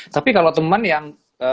tapi kalau temen yang